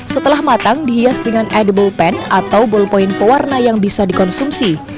setelah matang dihias dengan edable pen atau ballpoint pewarna yang bisa dikonsumsi